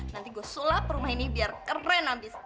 nanti gue sulap rumah ini biar keren abis